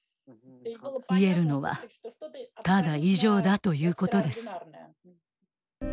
言えるのはただ異常だということです。